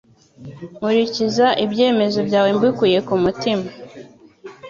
Nkurikiza ibyemezo byawe mbikuye ku mutima